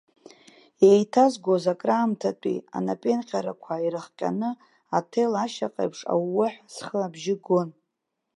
Иеиҭазгоз акраамҭатәи анапеинҟьарақәа ирыхҟьаны аҭел ашьаҟеиԥш аууҳәа схы абжьы гон.